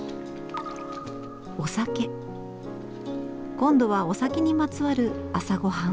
今度はお酒にまつわる朝ごはん。